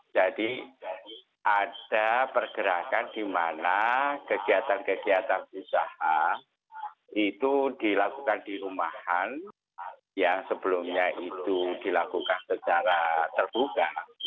jadi ada pergerakan di mana kegiatan kegiatan usaha itu dilakukan di rumahan yang sebelumnya itu dilakukan secara terbuka